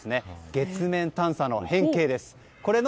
月面探査の変形です。